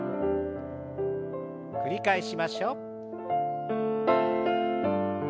繰り返しましょう。